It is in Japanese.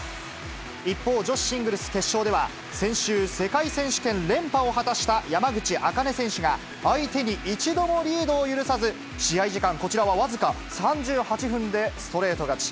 一方、女子シングルス決勝では、先週、世界選手権連覇を果たした山口茜選手が、相手に一度もリードを許さず、試合時間、こちらは僅か３８分でストレート勝ち。